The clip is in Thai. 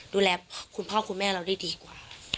ดูแลคุณพ่อคุณแม่เราได้ดีกว่า